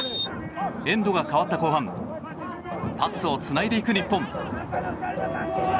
エンドが変わった後半パスをつないでいく日本。